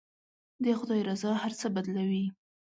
د خدای رضا هر څه بدلوي.